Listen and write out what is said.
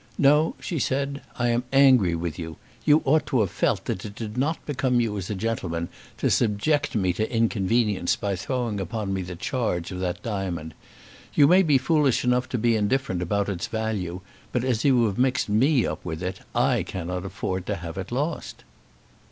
"No," she said, "I am angry with you. You ought to have felt that it did not become you as a gentleman to subject me to inconvenience by throwing upon me the charge of that diamond. You may be foolish enough to be indifferent about its value, but as you have mixed me up with it I cannot afford to have it lost."